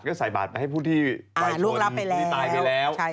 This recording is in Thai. ก็ใส่บาตรไปให้ผู้ที่ตายไปแล้ว